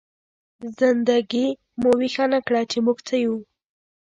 زنده ګي مو ويښه نه کړه، چې موږ څه يو؟!